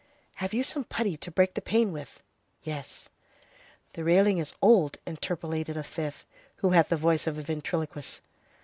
"Have you some putty to break the pane with?" "Yes." "The railing is old," interpolated a fifth, who had the voice of a ventriloquist.